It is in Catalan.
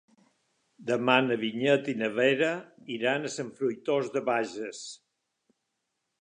Demà na Vinyet i na Vera iran a Sant Fruitós de Bages.